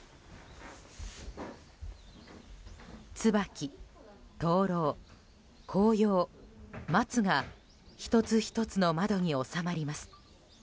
ツバキ、灯籠、紅葉、松が１つ１つの窓に収まります。